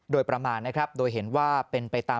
โดยประมาณนะครับโดยเห็นว่าเป็นไปตาม